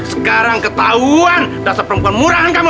sekarang ketahuan dasar perempuan murahan kamu